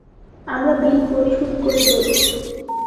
আমরা বিল পরিশোধ করে দেবো।